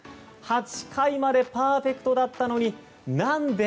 ８回までパーフェクトだったのになんで？